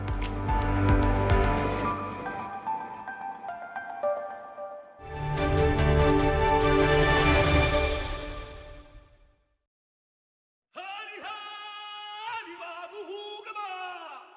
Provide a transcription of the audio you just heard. ketika kita mencari kemampuan untuk mencari kemampuan